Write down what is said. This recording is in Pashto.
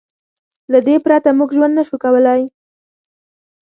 له دې پرته موږ ژوند نه شو کولی.